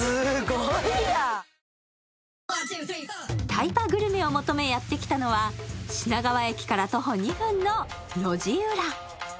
タイパグルメを求めやってきたのは、品川駅から徒歩２分の路地裏。